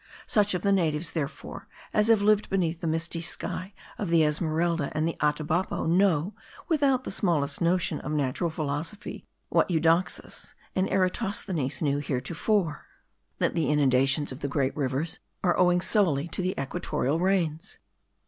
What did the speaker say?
Such of the natives, therefore, as have lived beneath the misty sky of the Esmeralda and the Atabapo, know, without the smallest notion of natural philosophy, what Eudoxus and Eratosthenes knew heretofore,* that the inundations of the great rivers are owing solely to the equatorial rains.